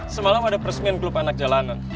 semalam ada peresmian klub anak jalanan